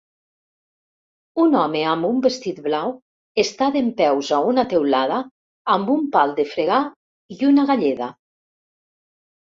Un home amb un vestit blau està dempeus a una teulada amb un pal de fregar i una galleda.